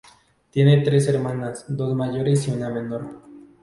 Tiene tres hermanas, dos mayores y una menor.